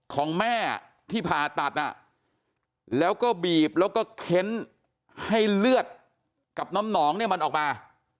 ของแม่ที่ผ่าตัดแล้วก็บีบแล้วก็เค้นให้เลือดกับน้ำหนองเนี่ยมันออกมา